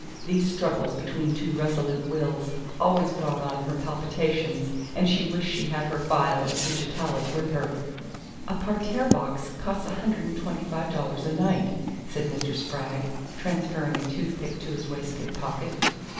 These struggles between two resolute wills always brought on her palpitations, and she wished she had her phial of digitalis with her. "A parterre box costs a hundred and twenty five dollars a night," said Mr. Spragg, transferring a toothpick to his waistcoat pocket.